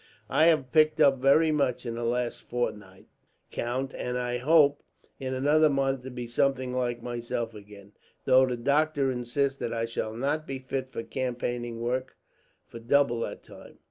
"I have picked up very much in the last fortnight, count; and I hope, in another month, to be something like myself again; though the doctor insists that I shall not be fit for campaigning work for double that time."